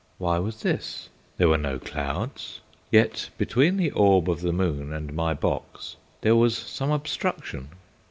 Why was this? There were no clouds. Yet, between the orb of the moon and my box, there was some obstruction.